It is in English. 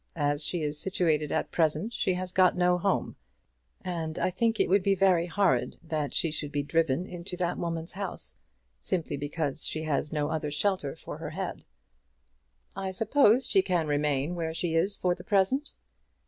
As she is situated at present she has got no home; and I think it would be very horrid that she should be driven into that woman's house, simply because she has no other shelter for her head." "I suppose she can remain where she is for the present?"